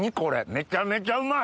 めちゃめちゃうまい！